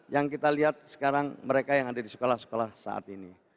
yang kita lihat sekarang mereka yang ada di sekolah sekolah saat ini